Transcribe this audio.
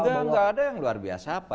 nggak ada yang luar biasa apa